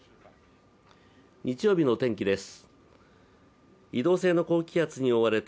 日曜日のお天気です。